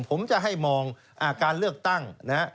ผมจะให้มองการเลือกตั้งนะฮะ